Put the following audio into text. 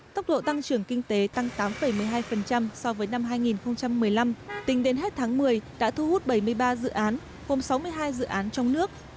tốc độ tăng trưởng kinh tế tăng tám một mươi hai so với năm hai nghìn một mươi năm tính đến hết tháng một mươi đã thu hút bảy mươi ba dự án gồm sáu mươi hai dự án trong nước